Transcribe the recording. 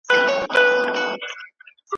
اقتصادي ودې د خلګو ژوند هوسا کړ.